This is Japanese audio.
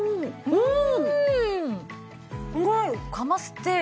うん。